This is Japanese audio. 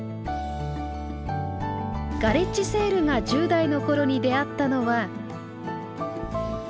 ガレッジセールが１０代の頃に出会ったのは。